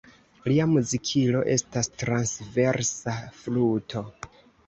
Lia muzikilo estas transversa fluto.